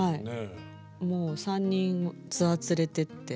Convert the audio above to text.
もう３人ツアー連れてって。